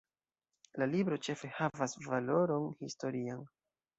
La libro ĉefe havas valoron historian.